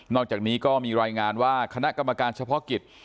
อกจากนี้ก็มีรายงานว่าคณะกรรมการเฉพาะกิจ